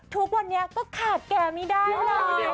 ทุกวันนี้ก็ขาดแกไม่ได้เลย